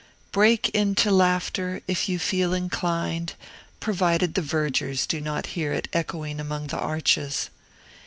Break into laughter, if you feel inclined, provided the vergers do not hear it echoing among the arches.